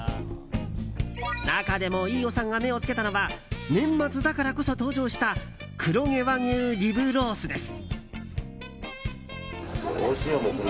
中でも飯尾さんが目を付けたのは年末だからこそ登場した黒毛和牛リブロースです。